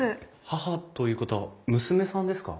母ということは娘さんですか？